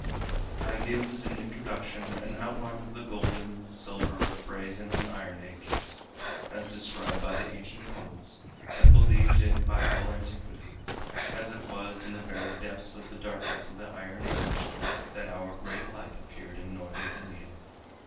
I give as an introduction an outline of the golden, silver, brazen and iron ages, as described by the ancient poets and believed in by all antiquity, as it was in the very depths of the darkness of the iron age that our great light appeared in Northern India.